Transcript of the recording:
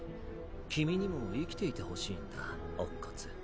君にも生きていてほしいんだ乙骨。